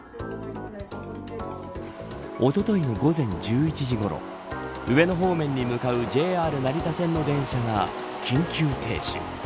おとといの午前１１時ごろ上野方面に向かうＪＲ成田線の電車が緊急停止。